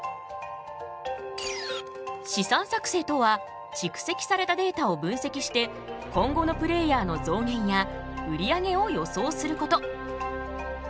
試算作成とは蓄積されたデータを分析して今後のプレーヤーの増減や売り上げを予想すること。